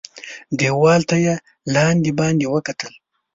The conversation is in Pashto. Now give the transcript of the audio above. دېوال ته یې لاندي باندي وکتل .